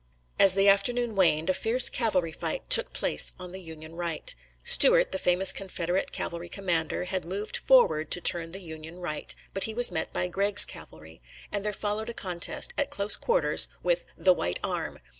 As the afternoon waned, a fierce cavalry fight took place on the Union right. Stuart, the famous Confederate cavalry commander, had moved forward to turn the Union right, but he was met by Gregg's cavalry, and there followed a contest, at close quarters, with "the white arm."